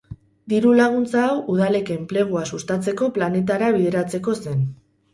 Diru-laguntza hau udalek enplegua sustatzeko planetara bideratzeko zen.